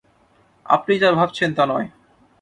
আপনি যা ভাবছেন তা নয়।